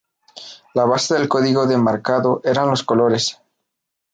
La base del código de marcado eran los colores.